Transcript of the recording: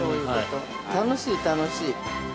◆楽しい楽しい。